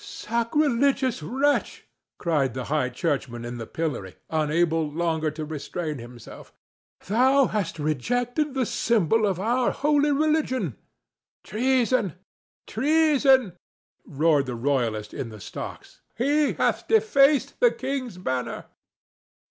"Sacrilegious wretch!" cried the high churchman in the pillory, unable longer to restrain himself; "thou hast rejected the symbol of our holy religion." "Treason! treason!" roared the royalist in the stocks. "He hath defaced the king's banner!"